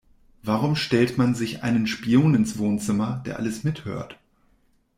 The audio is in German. Warum stellt man sich einen Spion ins Wohnzimmer, der alles mithört?